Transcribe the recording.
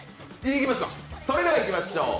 それではいきましょう。